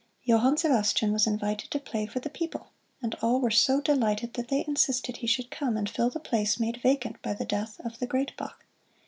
Johann Sebastian was invited to play for the people, and all were so delighted that they insisted he should come and fill the place made vacant by the death of the "Great Bach."